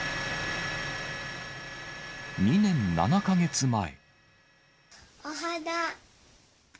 ２年７か月前。